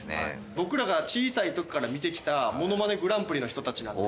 僕らが小さい時から見て来た『ものまねグランプリ』の人たちなんで。